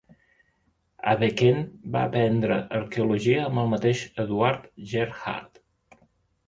Abeken va aprendre arqueologia amb el mateix Eduard Gerhard.